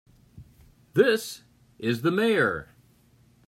This is the Mayor.